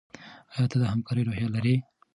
ایا ته د همکارۍ روحیه لرې؟